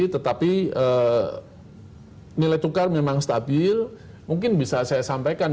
tetapi nilai tukar memang stabil mungkin bisa saya sampaikan